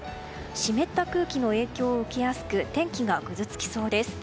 湿った空気の影響を受けやすく天気がぐずつきそうです。